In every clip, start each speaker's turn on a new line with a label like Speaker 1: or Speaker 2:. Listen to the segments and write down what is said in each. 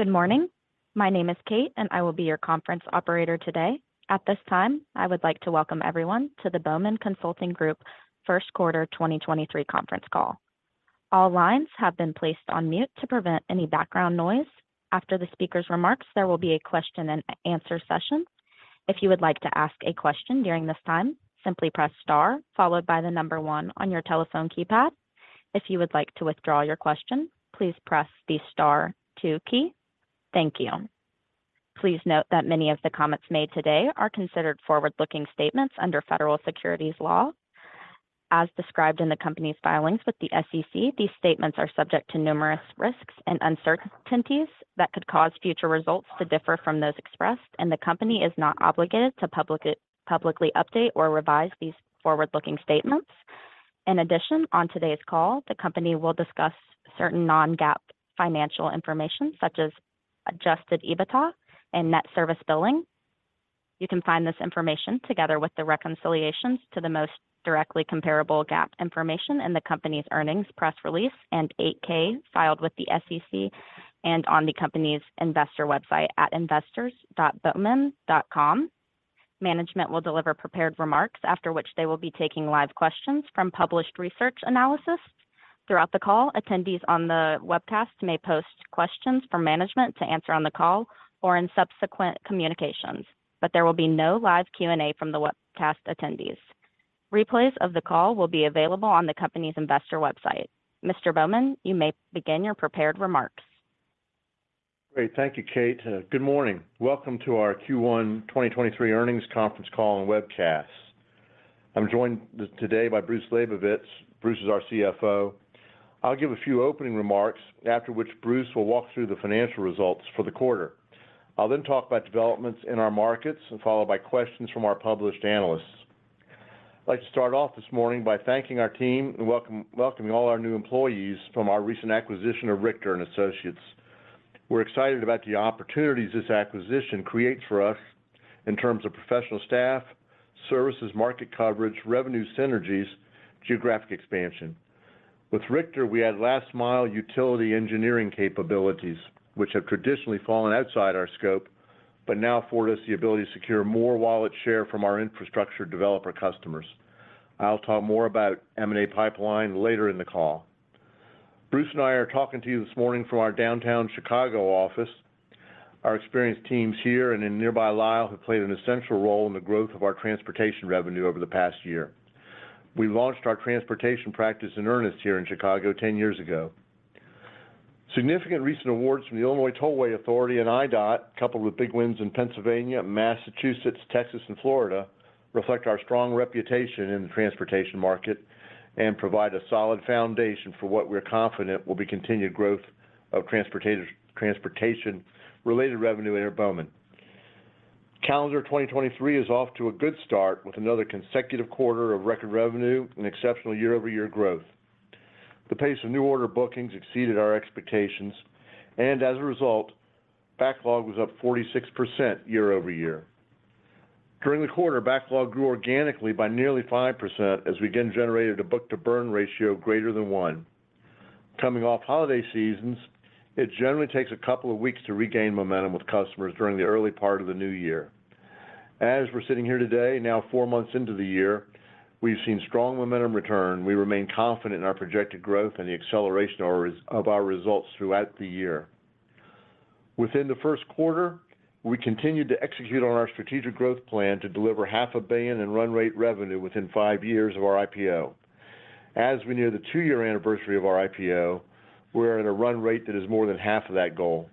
Speaker 1: Good morning. My name is Kate. I will be your conference operator today. At this time, I would like to welcome everyone to the Bowman Consulting Group Q1 2023 conference call. All lines have been placed on mute to prevent any background noise. After the speaker's remarks, there will be a question and answer session. If you would like to ask a question during this time, simply press star followed by one on your telephone keypad. If you would like to withdraw your question, please press the star two key. Thank you. Please note that many of the comments made today are considered forward-looking statements under federal securities law. As described in the company's filings with the SEC, these statements are subject to numerous risks and uncertainties that could cause future results to differ from those expressed. The company is not obligated to publicly update or revise these forward-looking statements. In addition, on today's call, the company will discuss certain non-GAAP financial information such as Adjusted EBITDA and Net Service Billing. You can find this information together with the reconciliations to the most directly comparable GAAP information in the company's earnings press release and 8-K filed with the SEC and on the company's investor website at investors.bowman.com. Management will deliver prepared remarks after which they will be taking live questions from published research analysts. Throughout the call, attendees on the webcast may post questions for management to answer on the call or in subsequent communications. There will be no live Q&A from the webcast attendees. Replays of the call will be available on the company's investor website. Mr. Bowman, you may begin your prepared remarks.
Speaker 2: Great. Thank you, Kate. Good morning. Welcome to our Q1 2023 earnings conference call and webcast. I'm joined today by Bruce Labovitz. Bruce is our CFO. I'll give a few opening remarks after which Bruce will walk through the financial results for the quarter. I'll then talk about developments in our markets and followed by questions from our published analysts. I'd like to start off this morning by thanking our team and welcoming all our new employees from our recent acquisition of Richter & Associates. We're excited about the opportunities this acquisition creates for us in terms of professional staff, services, market coverage, revenue synergies, geographic expansion. With Richter, we add last mile utility engineering capabilities, which have traditionally fallen outside our scope, but now afford us the ability to secure more wallet share from our infrastructure developer customers. I'll talk more about M&A pipeline later in the call. Bruce and I are talking to you this morning from our downtown Chicago office. Our experienced teams here and in nearby Lisle have played an essential role in the growth of our transportation revenue over the past year. We launched our transportation practice in earnest here in Chicago 10 years ago. Significant recent awards from the Illinois Tollway Authority and IDOT, coupled with big wins in Pennsylvania, Massachusetts, Texas, and Florida, reflect our strong reputation in the transportation market and provide a solid foundation for what we're confident will be continued growth of transportation related revenue at Bowman. Calendar 2023 is off to a good start with another consecutive quarter of record revenue and exceptional year-over-year growth. The pace of new order bookings exceeded our expectations, and as a result, backlog was up 46% year-over-year. During the quarter, backlog grew organically by nearly 5% as we again generated a book to burn ratio greater than one. Coming off holiday seasons, it generally takes a couple of weeks to regain momentum with customers during the early part of the new year. As we're sitting here today, now four months into the year, we've seen strong momentum return. We remain confident in our projected growth and the acceleration of our results throughout the year. Within the Q1, we continued to execute on our strategic growth plan to deliver half a billion in run rate revenue within five years of our IPO. As we near the two-year anniversary of our IPO, we're at a run rate that is more than half of that goal.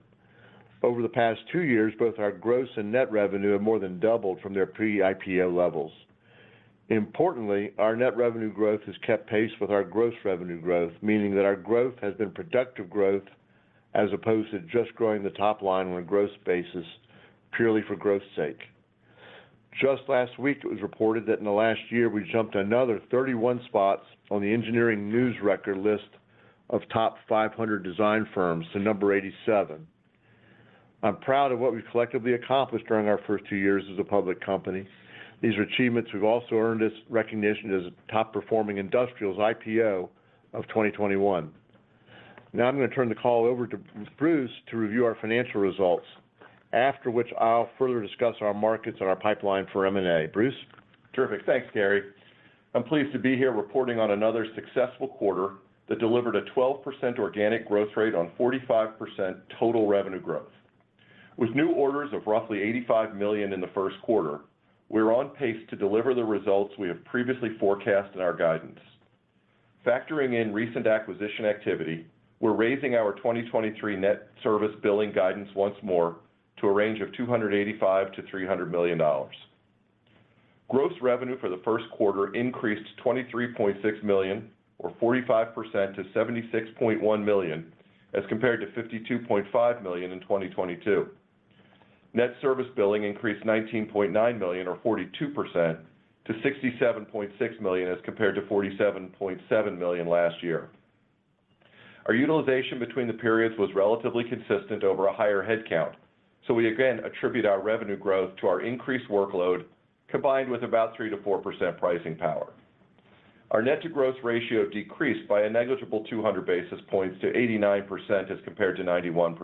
Speaker 2: Over the past two years, both our gross and net revenue have more than doubled from their pre-IPO levels. Importantly, our net revenue growth has kept pace with our gross revenue growth, meaning that our growth has been productive growth as opposed to just growing the top line on a gross basis purely for growth's sake. Just last week, it was reported that in the last year, we jumped another 31 spots on the Engineering News-Record list of top 500 design firms to number 87. I'm proud of what we've collectively accomplished during our first two years as a public company. These are achievements we've also earned as recognition as a top-performing industrials IPO of 2021. Now I'm gonna turn the call over to Bruce to review our financial results, after which I'll further discuss our markets and our pipeline for M&A. Bruce?
Speaker 3: Terrific. Thanks, Gary. I'm pleased to be here reporting on another successful quarter that delivered a 12% organic growth rate on 45% total revenue growth. With new orders of roughly $85 million in the Q1, we're on pace to deliver the results we have previously forecast in our guidance. Factoring in recent acquisition activity, we're raising our 2023 net service billing guidance once more to a range of $285 million-$300 million. Gross revenue for the Q1 increased $23.6 million or 45% to $76.1 million as compared to $52.5 million in 2022. Net service billing increased $19.9 million or 42% to $67.6 million as compared to $47.7 million last year. Our utilization between the periods was relatively consistent over a higher head count. We again attribute our revenue growth to our increased workload combined with about 3%-4% pricing power. Our net to gross ratio decreased by a negligible 200 basis points to 89% as compared to 91%.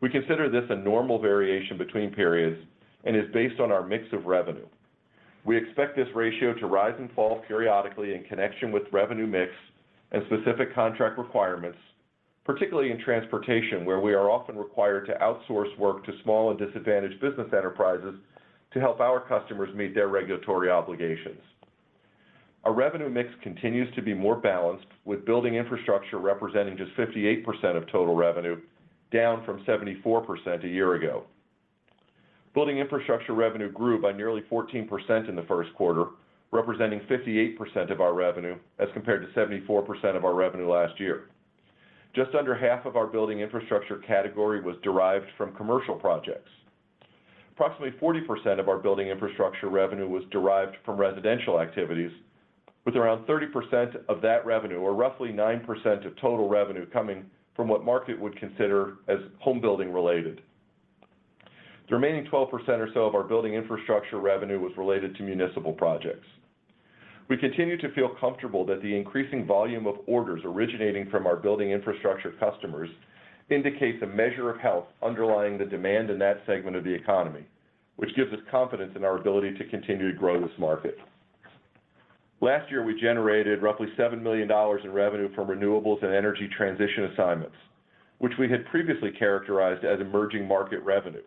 Speaker 3: We consider this a normal variation between periods and is based on our mix of revenue. We expect this ratio to rise and fall periodically in connection with revenue mix and specific contract requirements, particularly in transportation, where we are often required to outsource work to small and disadvantaged business enterprises to help our customers meet their regulatory obligations. Our revenue mix continues to be more balanced, with building infrastructure representing just 58% of total revenue, down from 74% a year ago. Building infrastructure revenue grew by nearly 14% in the Q1, representing 58% of our revenue, as compared to 74% of our revenue last year. Just under half of our building infrastructure category was derived from commercial projects. Approximately 40% of our building infrastructure revenue was derived from residential activities, with around 30% of that revenue, or roughly 9% of total revenue, coming from what market would consider as home building related. The remaining 12% or so of our building infrastructure revenue was related to municipal projects. We continue to feel comfortable that the increasing volume of orders originating from our building infrastructure customers indicates a measure of health underlying the demand in that segment of the economy, which gives us confidence in our ability to continue to grow this market. Last year, we generated roughly $7 million in revenue from renewables and energy transition assignments, which we had previously characterized as emerging market revenue.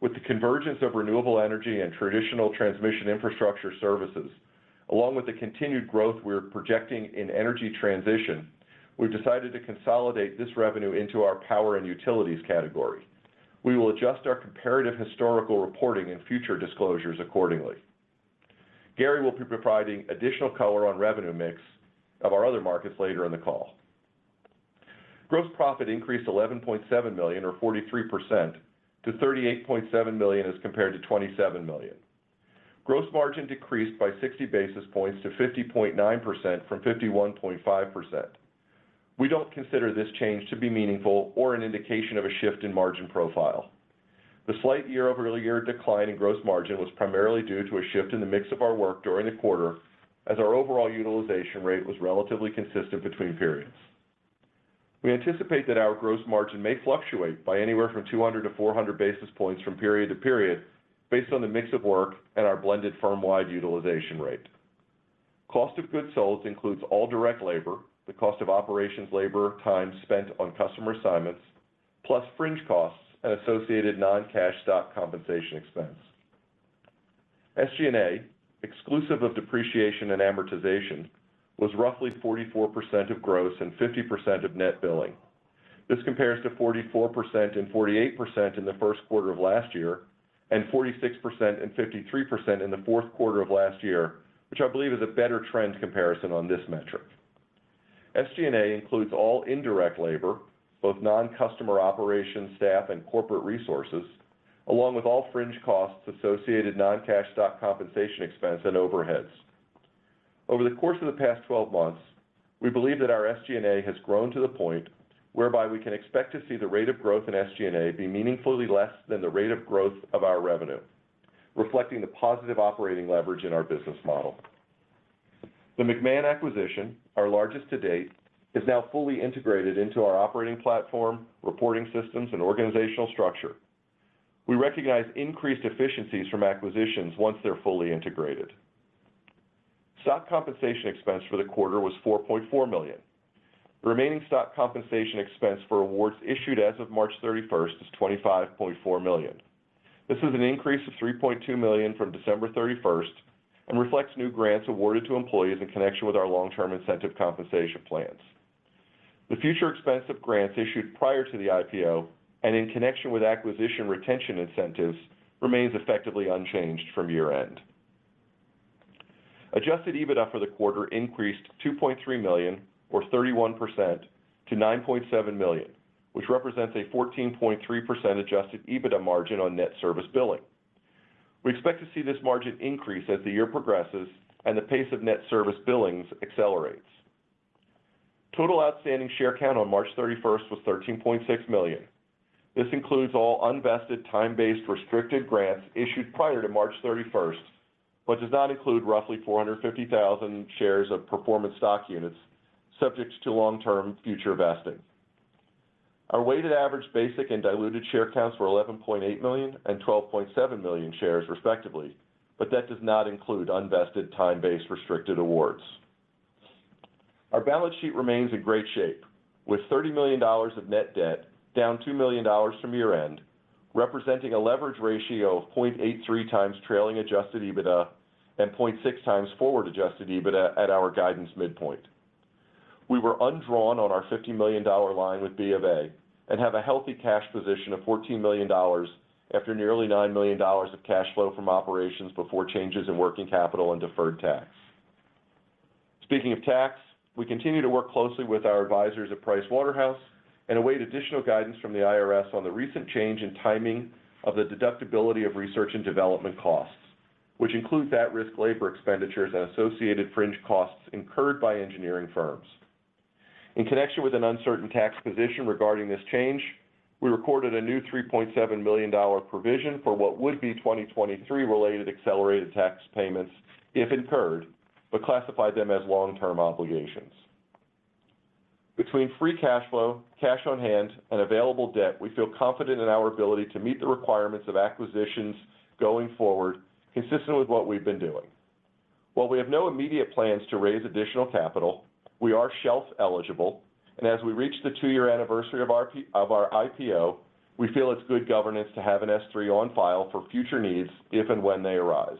Speaker 3: With the convergence of renewable energy and traditional transmission infrastructure services, along with the continued growth we are projecting in energy transition, we've decided to consolidate this revenue into our power and utilities category. We will adjust our comparative historical reporting and future disclosures accordingly. Gary will be providing additional color on revenue mix of our other markets later in the call. Gross profit increased $11.7 million, or 43%, to $38.7 million as compared to $27 million. Gross margin decreased by 60 basis points to 50.9% from 51.5%. We don't consider this change to be meaningful or an indication of a shift in margin profile. The slight year-over-year decline in gross margin was primarily due to a shift in the mix of our work during the quarter as our overall utilization rate was relatively consistent between periods. We anticipate that our gross margin may fluctuate by anywhere from 200-400 basis points from period to period based on the mix of work and our blended firm-wide utilization rate. Cost of goods sold includes all direct labor, the cost of operations labor time spent on customer assignments, plus fringe costs and associated non-cash stock compensation expense. SG&A, exclusive of depreciation and amortization, was roughly 44% of gross and 50% of net billing. This compares to 44% and 48% in the Q1 of last year and 46% and 53% in the Q4 of last year, which I believe is a better trend comparison on this metric. SG&A includes all indirect labor, both non-customer operations staff and corporate resources, along with all fringe costs associated non-cash stock compensation expense and overheads. Over the course of the past 12 months, we believe that our SG&A has grown to the point whereby we can expect to see the rate of growth in SG&A be meaningfully less than the rate of growth of our revenue, reflecting the positive operating leverage in our business model. The McMahon acquisition, our largest to date, is now fully integrated into our operating platform, reporting systems, and organizational structure. We recognize increased efficiencies from acquisitions once they're fully integrated. Stock compensation expense for the quarter was $4.4 million. The remaining stock compensation expense for awards issued as of March 31st is $25.4 million. This is an increase of $3.2 million from December 31st and reflects new grants awarded to employees in connection with our long-term incentive compensation plans. The future expense of grants issued prior to the IPO and in connection with acquisition retention incentives remains effectively unchanged from year-end. Adjusted EBITDA for the quarter increased $2.3 million, or 31%, to $9.7 million, which represents a 14.3% adjusted EBITDA margin on Net Service Billing. We expect to see this margin increase as the year progresses and the pace of Net Service Billings accelerates. Total outstanding share count on March 31st was 13.6 million. This includes all unvested time-based restricted grants issued prior to March 31st, but does not include roughly 450,000 shares of performance stock units subject to long-term future vesting. Our weighted average basic and diluted share counts were 11.8 million and 12.7 million shares, respectively, that does not include unvested time-based restricted awards. Our balance sheet remains in great shape, with $30 million of net debt down $2 million from year-end, representing a leverage ratio of 0.83x trailing adjusted EBITDA and 0.6x forward adjusted EBITDA at our guidance midpoint. We were undrawn on our $50 million line with B of A and have a healthy cash position of $14 million after nearly $9 million of cash flow from operations before changes in working capital and deferred tax. Speaking of tax, we continue to work closely with our advisors at Pricewaterhouse and await additional guidance from the IRS on the recent change in timing of the deductibility of research and development costs, which include at-risk labor expenditures and associated fringe costs incurred by engineering firms. In connection with an uncertain tax position regarding this change, we recorded a new $3.7 million provision for what would be 2023 related accelerated tax payments if incurred, but classified them as long-term obligations. Between free cash flow, cash on hand, and available debt, we feel confident in our ability to meet the requirements of acquisitions going forward, consistent with what we've been doing. While we have no immediate plans to raise additional capital, we are shelf eligible. As we reach the two-year anniversary of our of our IPO, we feel it's good governance to have an S-3 on file for future needs if and when they arise.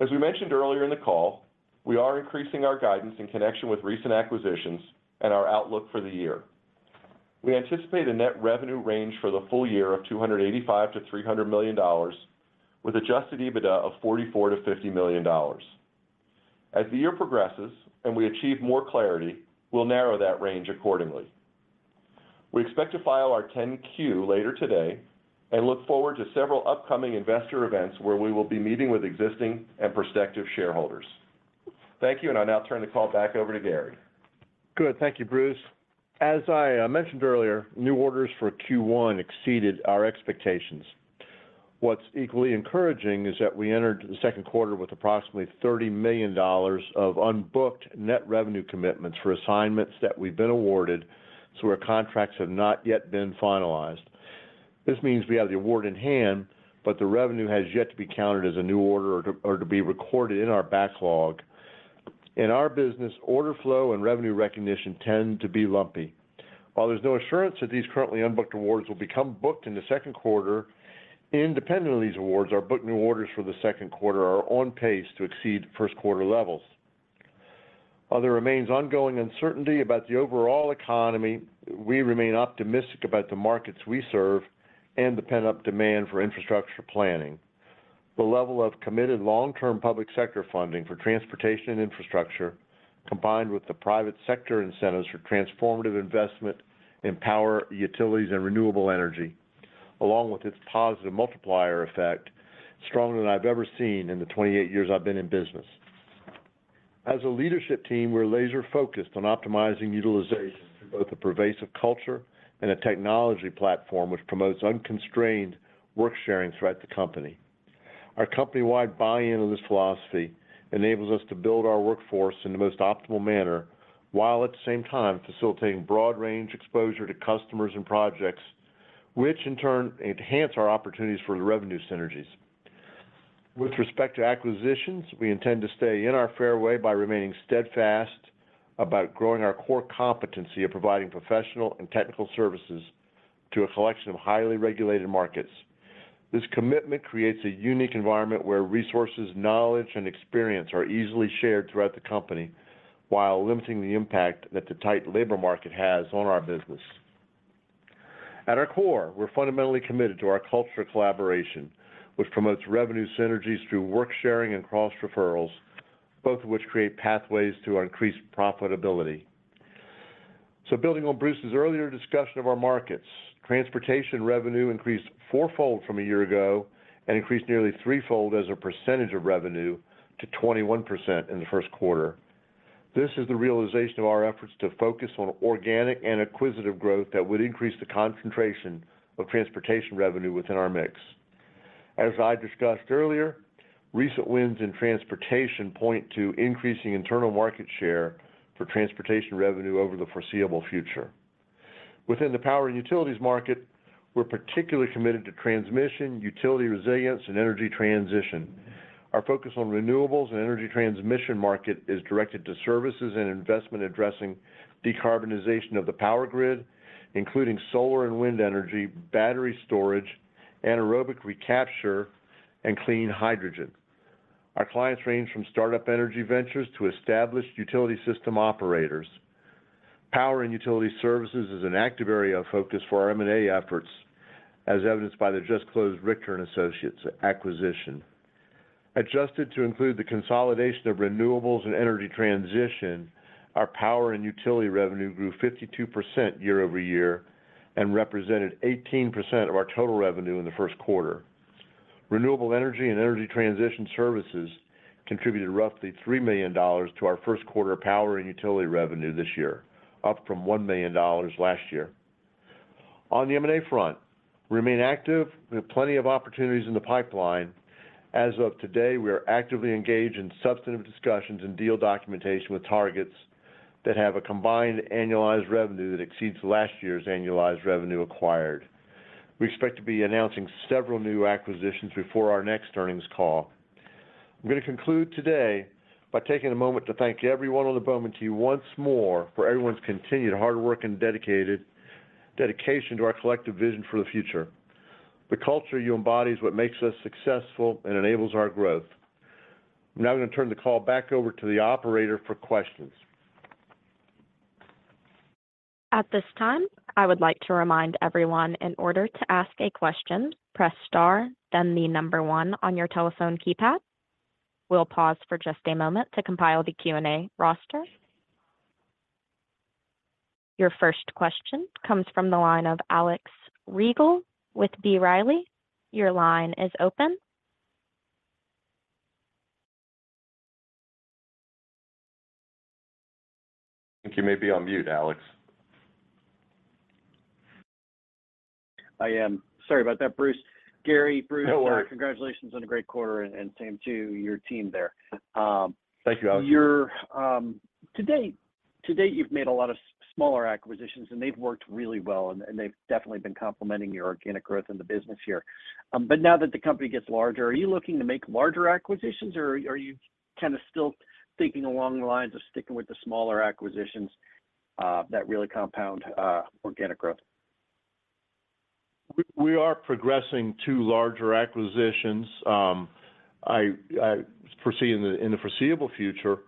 Speaker 3: As we mentioned earlier in the call, we are increasing our guidance in connection with recent acquisitions and our outlook for the year. We anticipate a net revenue range for the full year of $285 million-$300 million with adjusted EBITDA of $44 million-$50 million. As the year progresses and we achieve more clarity, we'll narrow that range accordingly. We expect to file our 10-Q later today and look forward to several upcoming investor events where we will be meeting with existing and prospective shareholders. Thank you. I'll now turn the call back over to Gary.
Speaker 2: Good. Thank you, Bruce. As I mentioned earlier, new orders for Q1 exceeded our expectations. What's equally encouraging is that we entered the Q2 with approximately $30 million of unbooked net revenue commitments for assignments that we've been awarded, so our contracts have not yet been finalized. This means we have the award in hand, but the revenue has yet to be counted as a new order or to be recorded in our backlog. In our business, order flow and revenue recognition tend to be lumpy. While there's no assurance that these currently unbooked awards will become booked in the Q2, independently of these awards, our booked new orders for the Q2 are on pace to exceed Q1 levels. While there remains ongoing uncertainty about the overall economy, we remain optimistic about the markets we serve and the pent-up demand for infrastructure planning. The level of committed long-term public sector funding for transportation and infrastructure, combined with the private sector incentives for transformative investment in power, utilities, and renewable energy, along with its positive multiplier effect, stronger than I've ever seen in the 28 years I've been in business. As a leadership team, we're laser-focused on optimizing utilization through both a pervasive culture and a technology platform which promotes unconstrained work sharing throughout the company. Our company-wide buy-in of this philosophy enables us to build our workforce in the most optimal manner, while at the same time facilitating broad range exposure to customers and projects, which in turn enhance our opportunities for the revenue synergies. With respect to acquisitions, we intend to stay in our fairway by remaining steadfast about growing our core competency of providing professional and technical services to a collection of highly regulated markets. This commitment creates a unique environment where resources, knowledge, and experience are easily shared throughout the company while limiting the impact that the tight labor market has on our business. At our core, we're fundamentally committed to our culture collaboration, which promotes revenue synergies through work sharing and cross referrals, both of which create pathways to our increased profitability. Building on Bruce's earlier discussion of our markets, transportation revenue increased four-fold from a year ago and increased nearly three-fold as a percentage of revenue to 21% in the first quarter. This is the realization of our efforts to focus on organic and acquisitive growth that would increase the concentration of transportation revenue within our mix. As I discussed earlier, recent wins in transportation point to increasing internal market share for transportation revenue over the foreseeable future. Within the power and utilities market, we're particularly committed to transmission, utility resilience, and energy transition. Our focus on renewables and energy transmission market is directed to services and investment addressing decarbonization of the power grid, including solar and wind energy, battery storage, anaerobic digestion, and clean hydrogen. Our clients range from startup energy ventures to established utility system operators. Power and utility services is an active area of focus for our M&A efforts, as evidenced by the just closed Richter & Associates acquisition. Adjusted to include the consolidation of renewables and energy transition, our power and utility revenue grew 52% year-over-year and represented 18% of our total revenue in the first quarter. Renewable energy and energy transition services contributed roughly $3 million to our Q1 power and utility revenue this year, up from $1 million last year. On the M&A front, we remain active with plenty of opportunities in the pipeline. As of today, we are actively engaged in substantive discussions and deal documentation with targets that have a combined annualized revenue that exceeds last year's annualized revenue acquired. We expect to be announcing several new acquisitions before our next earnings call. I'm gonna conclude today by taking a moment to thank everyone on the Bowman team once more for everyone's continued hard work and dedication to our collective vision for the future. The culture you embody is what makes us successful and enables our growth. I'm now gonna turn the call back over to the operator for questions.
Speaker 1: At this time, I would like to remind everyone in order to ask a question, press star, then the number one on your telephone keypad. We'll pause for just a moment to compile the Q&A roster. Your first question comes from the line of Alex Rygiel with B. Riley. Your line is open.
Speaker 2: I think you may be on mute, Alex.
Speaker 4: I am. Sorry about that, Bruce. Gary, Bruce.
Speaker 2: No worry.
Speaker 4: Congratulations on a great quarter, and same to your team there.
Speaker 2: Thank you, Alex.
Speaker 4: You're. To date, you've made a lot of smaller acquisitions. They've worked really well, and they've definitely been complementing your organic growth in the business here. Now that the company gets larger, are you looking to make larger acquisitions, or are you kind of still thinking along the lines of sticking with the smaller acquisitions that really compound organic growth?
Speaker 2: We are progressing to larger acquisitions. I foresee in the foreseeable future,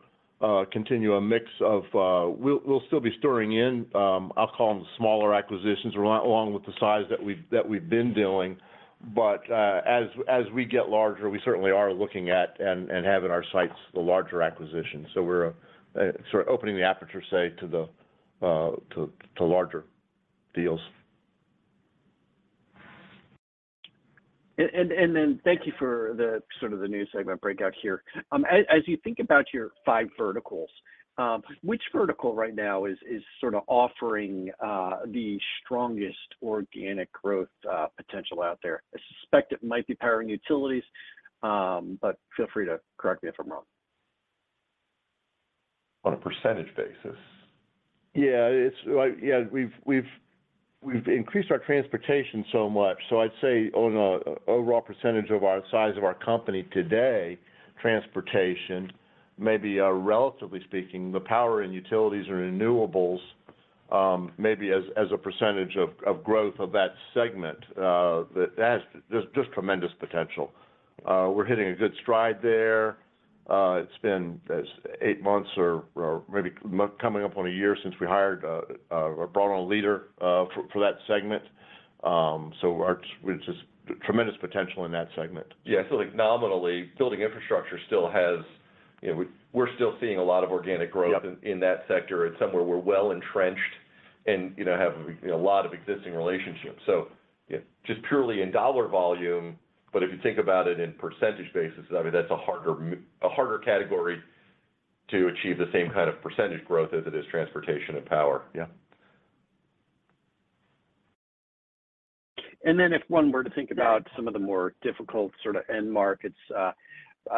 Speaker 2: continue a mix of... We'll still be stirring in, I'll call them the smaller acquisitions, along with the size that we've been doing. As we get larger, we certainly are looking at and have in our sights the larger acquisitions. We're, sort of opening the aperture, say, to the, to larger deals.
Speaker 4: Thank you for the sort of the new segment breakout here. As you think about your five verticals, which vertical right now is sort of offering the strongest organic growth potential out there? I suspect it might be power and utilities, feel free to correct me if I'm wrong.
Speaker 2: On a percentage basis? We've increased our transportation so much, so I'd say on a overall percentage of our size of our company today, transportation may be, relatively speaking, the power and utilities or renewables, maybe as a percentage of growth of that segment, that has just tremendous potential. We're hitting a good stride there. It's been as eight months or coming up on a year since we hired or brought on a leader for that segment. Tremendous potential in that segment. Nominally, building infrastructure still has. We're still seeing a lot of organic growth-
Speaker 4: Yep...
Speaker 2: in that sector. It's somewhere we're well-entrenched and, you know, have, you know, a lot of existing relationships.
Speaker 4: Yeah
Speaker 2: just purely in dollar volume, but if you think about it in percentage basis, I mean, that's a harder category to achieve the same kind of percentage growth as it is transportation and power.
Speaker 4: Yeah. If one were to think about some of the more difficult sort of end markets,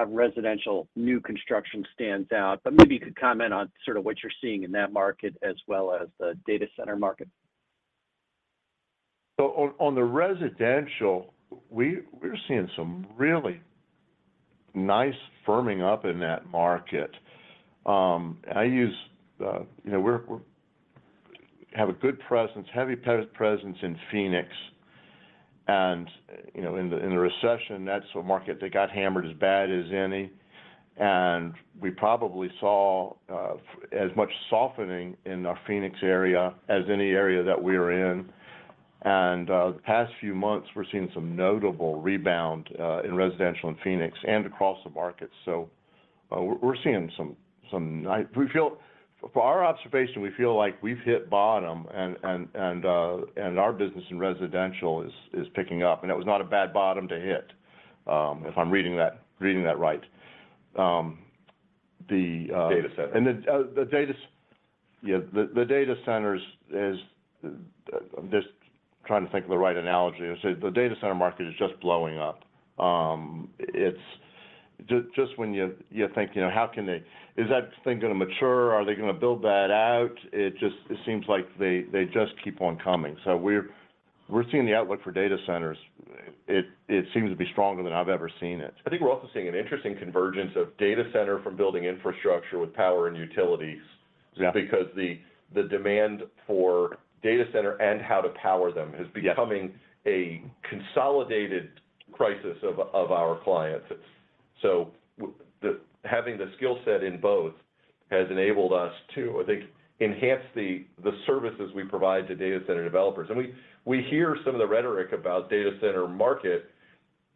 Speaker 4: residential new construction stands out, but maybe you could comment on sort of what you're seeing in that market as well as the data center market.
Speaker 2: On the residential, we're seeing some really nice firming up in that market. You know, we have a good presence, heavy presence in Phoenix and in the recession, that's a market that got hammered as bad as any. We probably saw as much softening in our Phoenix area as any area that we were in. The past few months, we're seeing some notable rebound in residential in Phoenix and across the market. We're seeing some we feel for our observation, we feel like we've hit bottom and our business in residential is picking up, and it was not a bad bottom to hit, if I'm reading that right. The data centers is. I'm just trying to think of the right analogy. I say the data center market is just blowing up. It's just when you think, you know, "How can they? Is that thing gonna mature? Are they gonna build that out?" It just, it seems like they just keep on coming. We're seeing the outlook for data centers, it seems to be stronger than I've ever seen it. I think we're also seeing an interesting convergence of data center from building infrastructure with power and utilities.
Speaker 4: Yeah...
Speaker 2: because the demand for data center and how to power them.
Speaker 4: Yeah
Speaker 2: a consolidated crisis of our clients. Having the skill set in both has enabled us to, I think, enhance the services we provide to data center developers. We hear some of the rhetoric about data center market.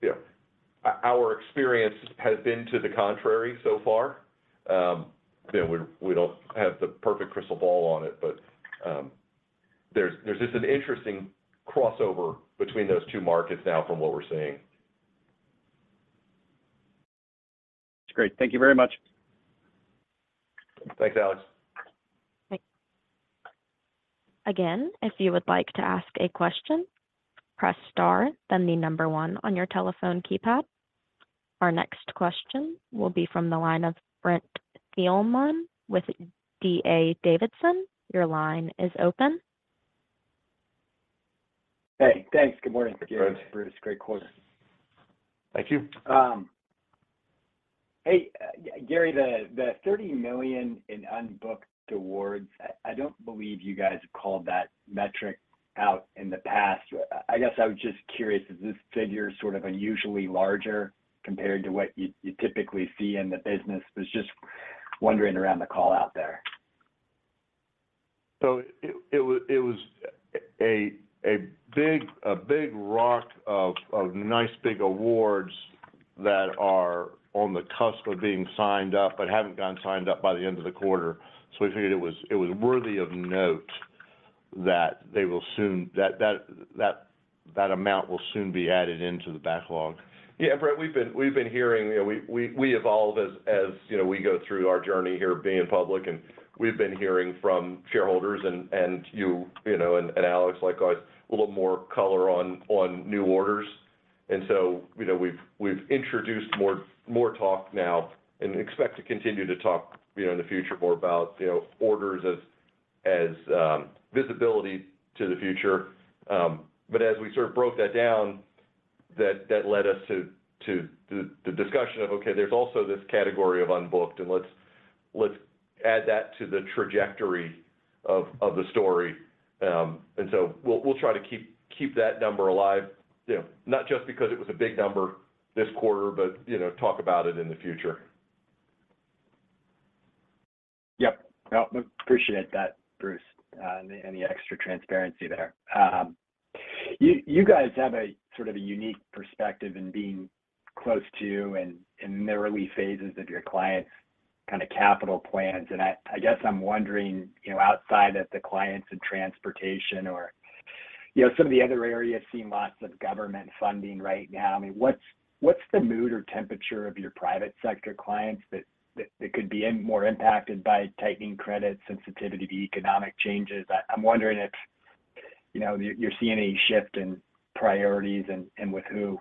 Speaker 2: You know, our experience has been to the contrary so far. You know, we don't have the perfect crystal ball on it, but there's just an interesting crossover between those two markets now from what we're seeing.
Speaker 4: That's great. Thank you very much.
Speaker 2: Thanks, Alex.
Speaker 1: Thanks. Again, if you would like to ask a question, press star then the number one on your telephone keypad. Our next question will be from the line of Brent Thielman with D.A. Davidson. Your line is open.
Speaker 5: Hey, thanks. Good morning, Gary and Bruce.
Speaker 2: Hey, Brent.
Speaker 5: Great quarter.
Speaker 2: Thank you.
Speaker 5: Hey, Gary, the $30 million in unbooked awards, I don't believe you guys called that metric out in the past. I guess I was just curious, is this figure sort of unusually larger compared to what you typically see in the business? Was just wondering around the call out there.
Speaker 2: It was a big rock of nice big awards that are on the cusp of being signed up but haven't gotten signed up by the end of the quarter. We figured it was worthy of note. That they will soon that amount will soon be added into the backlog.
Speaker 3: Yeah, Brent, we've been hearing. You know, we evolve as, you know, we go through our journey here being public, and we've been hearing from shareholders and you know, and Alex, like a little more color on new orders. You know, we've introduced more talk now and expect to continue to talk, you know, in the future more about, you know, orders as visibility to the future. As we sort of broke that down, that led us to the discussion of, okay, there's also this category of unbooked, and let's add that to the trajectory of the story. We'll try to keep that number alive. You know, not just because it was a big number this quarter, but, you know, talk about it in the future.
Speaker 5: Yep. No, appreciate that, Bruce, and the extra transparency there. You guys have a sort of a unique perspective in being close to and in the early phases of your clients' kind of capital plans. I guess I'm wondering, you know, outside of the clients in transportation or, you know, some of the other areas seeing lots of government funding right now, I mean, what's the mood or temperature of your private sector clients that could be more impacted by tightening credit, sensitivity to economic changes? I'm wondering if, you know, you're seeing any shift in priorities and with who.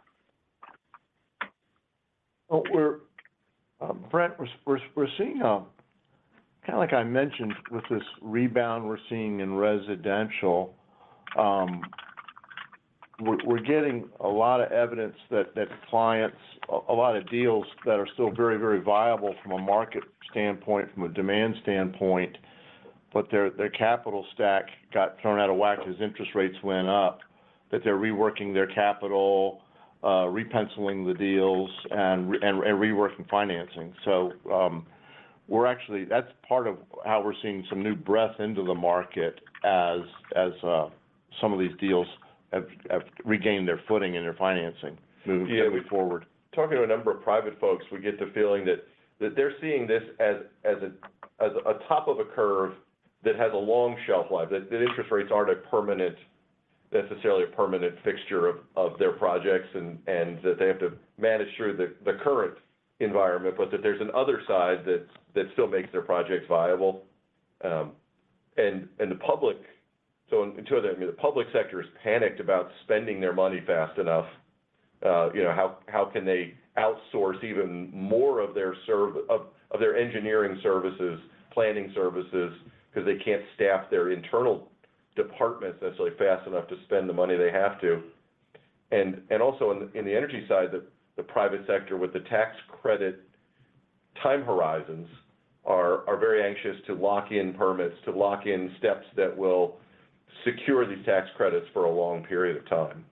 Speaker 2: Well, Brent, we're seeing kind of like I mentioned with this rebound we're seeing in residential, we're getting a lot of evidence that clients, a lot of deals that are still very, very viable from a market standpoint, from a demand standpoint, but their capital stack got thrown out of whack as interest rates went up, that they're reworking their capital, re-penciling the deals and reworking financing. That's part of how we're seeing some new breath into the market as some of these deals have regained their footing and their financing moving forward.
Speaker 3: Yeah. Talking to a number of private folks, we get the feeling that they're seeing this as a top of a curve that has a long shelf life, that interest rates aren't a permanent, necessarily a permanent fixture of their projects and that they have to manage through the current environment, but that there's another side that still makes their projects viable. The public... I mean, the public sector is panicked about spending their money fast enough. You know, how can they outsource even more of their engineering services, planning services, because they can't staff their internal departments necessarily fast enough to spend the money they have to. Also in the energy side, the private sector with the tax credit time horizons are very anxious to lock in permits, to lock in steps that will secure these tax credits for a long period of time.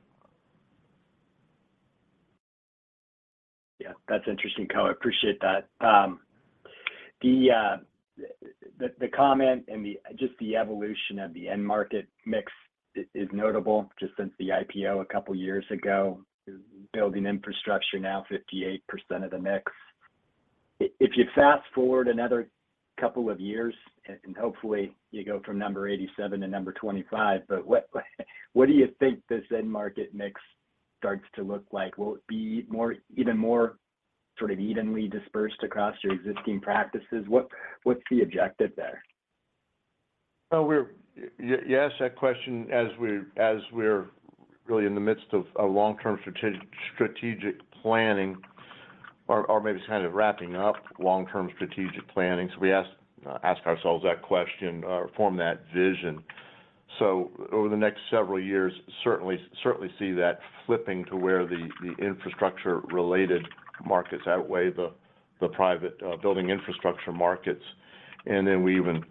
Speaker 5: Yeah. That's interesting color. I appreciate that. The comment and just the evolution of the end market mix is notable just since the IPO a couple years ago. Building infrastructure now 58% of the mix. If you fast-forward another couple of years, and hopefully you go from number 87 to number 25. What do you think this end market mix starts to look like? Will it be even more sort of evenly dispersed across your existing practices? What, what's the objective there?
Speaker 2: Well, you ask that question as we're really in the midst of a long-term strategic planning or maybe kind of wrapping up long-term strategic planning. We ask ourselves that question or form that vision. Over the next several years, certainly see that flipping to where the infrastructure-related markets outweigh the private building infrastructure markets. We even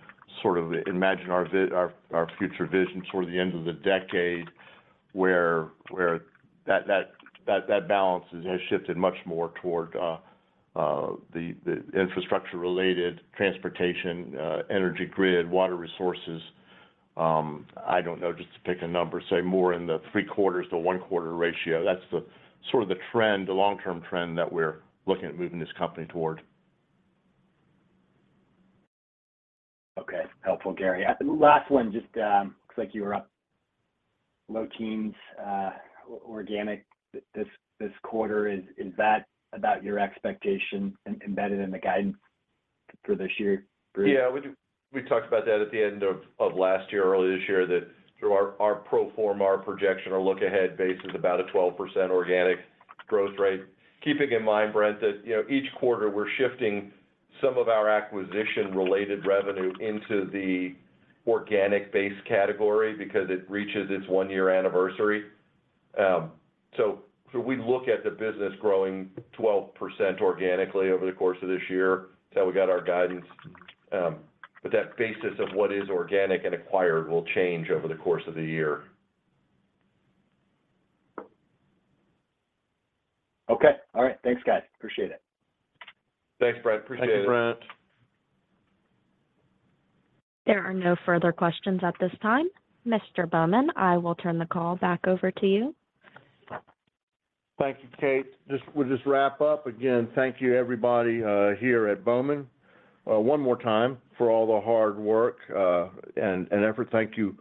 Speaker 2: sort of imagine our future vision toward the end of the decade where that balance has shifted much more toward the infrastructure-related transportation, energy grid, water resources. I don't know, just to pick a number, say more in the three-quarters to one-quarter ratio. That's the sort of the trend, the long-term trend that we're looking at moving this company toward.
Speaker 5: Okay. Helpful, Gary. Last one, just, looks like you were up low teens, organic this quarter. Is that about your expectation embedded in the guidance for this year, Bruce?
Speaker 3: Yeah. We talked about that at the end of last year, early this year, that through our pro forma projection or look-ahead base is about a 12% organic growth rate. Keeping in mind, Brent, that, you know, each quarter, we're shifting some of our acquisition-related revenue into the organic base category because it reaches its one year anniversary. We look at the business growing 12% organically over the course of this year. That's how we got our guidance. That basis of what is organic and acquired will change over the course of the year.
Speaker 5: Okay. All right. Thanks, guys. Appreciate it.
Speaker 3: Thanks, Brent. Appreciate it.
Speaker 2: Thank you, Brent.
Speaker 1: There are no further questions at this time. Mr. Bowman, I will turn the call back over to you.
Speaker 2: Thank you, Kate. We'll just wrap up. Again, thank you everybody here at Bowman one more time for all the hard work and effort. Thank you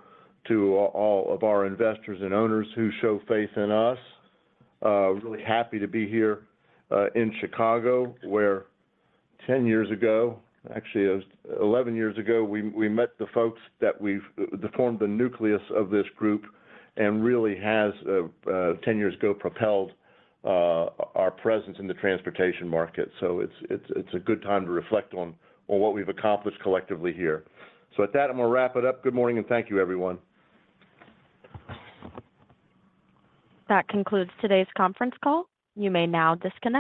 Speaker 2: to all of our investors and owners who show faith in us. Really happy to be here in Chicago, where 10 years ago, actually it was 11 years ago, we met the folks that formed the nucleus of this group and really has 10 years ago propelled our presence in the transportation market. It's a good time to reflect on what we've accomplished collectively here. At that, I'm gonna wrap it up. Good morning, and thank you, everyone.
Speaker 1: That concludes today's conference call. You may now disconnect.